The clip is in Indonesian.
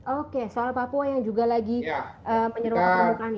oke soal papua yang juga lagi menyeruakan permukaan nih pak ya